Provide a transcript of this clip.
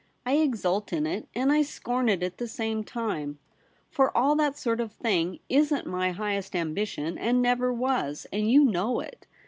I exult in it, and I scorn it at the same time ; for all that sort of thing isn't my highest am bition, and never was, and you know it.